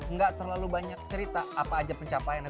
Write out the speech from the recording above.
nggak terlalu banyak cerita apa aja pencapaiannya